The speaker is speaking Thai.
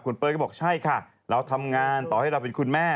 คุณเป้ยก็บอกใช่ค่ะเราทำงานต่อให้เราเป็นคุณแม่